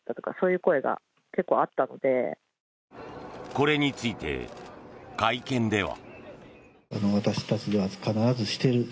これについて、会見では。